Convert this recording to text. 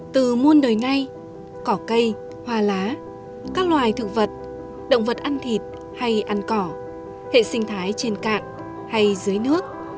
từ muôn đời nay cỏ cây hoa lá các loài thực vật động vật ăn thịt hay ăn cỏ hệ sinh thái trên cạn hay dưới nước